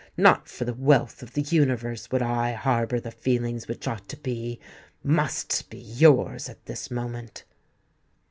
Not for the wealth of the universe would I harbour the feelings which ought to be—must be yours at this moment."